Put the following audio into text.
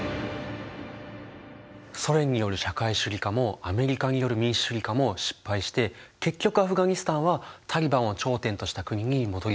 ソ連による社会主義化もアメリカによる民主主義化も失敗して結局アフガニスタンはタリバンを頂点とした国に戻りつつあるんだね。